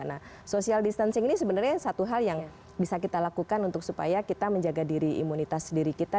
nah social distancing ini sebenarnya satu hal yang bisa kita lakukan untuk supaya kita menjaga diri imunitas diri kita